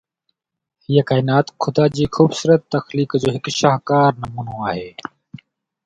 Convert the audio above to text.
هي ڪائنات خدا جي خوبصورت تخليق جو هڪ شاهڪار نمونو آهي.